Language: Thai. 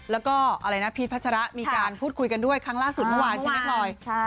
แล้วก็อะไรนะพีชพัชระมีการพูดคุยกันด้วยครั้งล่าสุดเมื่อวานใช่ไหมพลอย